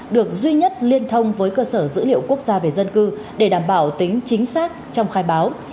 được duy nhất liên thông với cơ sở dữ liệu quốc gia về dân cư để đảm bảo tính chính xác trong khai báo